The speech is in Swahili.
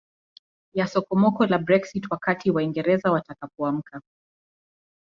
ya sokomoko la Brexit Wakati Waingereza watakapoamka